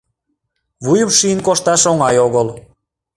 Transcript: Вуйым шийын кошташ оҥай огыл.